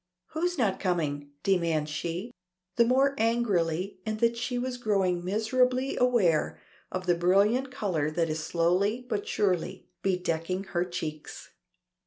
"Who's not coming?" demands she, the more angrily in that she is growing miserably aware of the brilliant color that is slowly but surely bedecking her cheeks.